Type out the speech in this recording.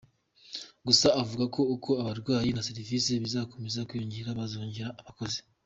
Gusa avuga ko uko abarwayi na serivisi bizakomeza kwiyongera bazongera abakozi.